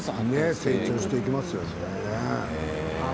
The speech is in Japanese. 成長していきますね。